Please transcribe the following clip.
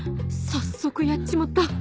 早速やっちまった！